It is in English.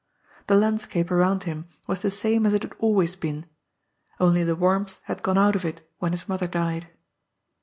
The landscape around him was the same as it had always been, only the warmth had gone out of it when his mother died.